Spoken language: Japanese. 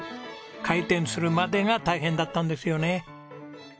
開店するまでが大変だったんですよね。